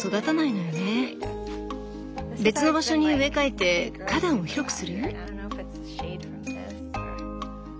別の場所に植え替えて花壇を広くする？